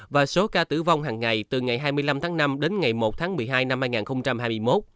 và số ca tử vong hàng ngày từ ngày hai mươi năm tháng năm đến ngày một tháng một mươi hai năm hai nghìn hai mươi một